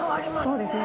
そうですね。